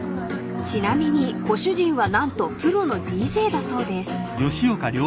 ［ちなみにご主人は何とプロのＤＪだそうです］